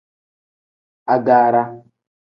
Agaara.